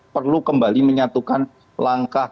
perlu kembali menyatukan langkah